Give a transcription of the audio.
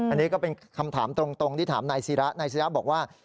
อันนี้ก็เป็นคำถามตรงที่ถามนายศิระนายศิราบอกว่า